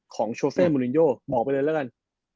โชเฟ่มูลินโยบอกไปเลยแล้วกัน